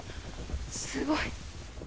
すごい。